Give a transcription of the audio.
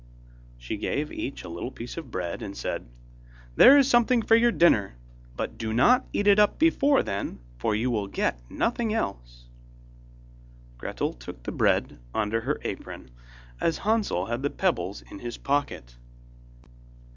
She gave each a little piece of bread, and said: 'There is something for your dinner, but do not eat it up before then, for you will get nothing else.' Gretel took the bread under her apron, as Hansel had the pebbles in his pocket.